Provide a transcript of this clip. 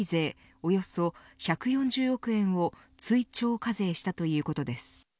およそ１４０億円を追徴課税したということです。